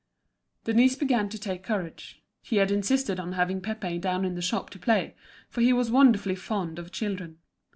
Denise began to take courage. He had insisted on having Pépé down in the shop to play, for he was wonderfully fond of children.